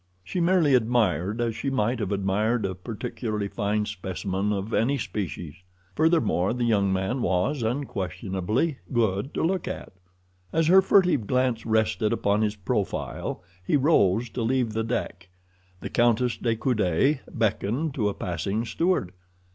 She merely admired, as she might have admired a particularly fine specimen of any species. Furthermore, the young man was unquestionably good to look at. As her furtive glance rested upon his profile he rose to leave the deck. The Countess de Coude beckoned to a passing steward.